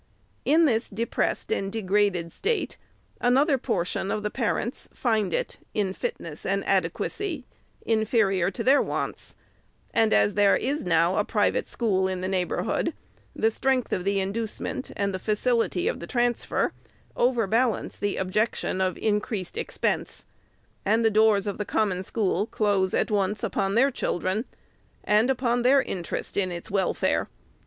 In this depressed and degraded state, another portion of the parents find it, in fitness and ade quacy, inferior to their wants ; and, as there is now a private school in the neighborhood, the strength of the inducement, and the facility of the transfer, overbalance the objection of increased expense, and the doors of the Common School close, at once, upon their children, and upon their interest in its welfare.